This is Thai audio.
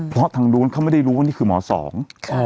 เพราะทางนู้นเขาไม่ได้รู้ว่านี่คือหมอสอง